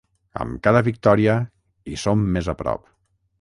Amb cada victòria, hi som més a prop.